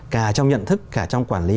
cả trong nhận thức cả trong quản lý